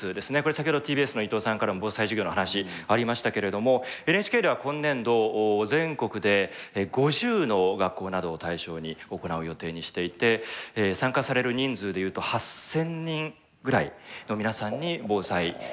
先ほどＴＢＳの伊藤さんからも防災事業の話ありましたけれどもＮＨＫでは今年度全国で５０の学校などを対象に行う予定にしていて参加される人数で言うと８，０００人ぐらいの皆さんに防災教室を行っています。